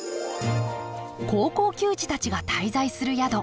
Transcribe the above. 高校球児たちが滞在する宿。